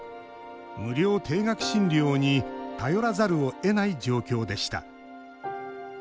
無料低額診療に頼らざるをえない状況でした。